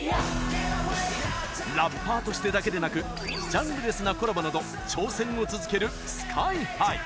ラッパーとしてだけでなくジャンルレスなコラボなど挑戦を続けるＳＫＹ‐ＨＩ。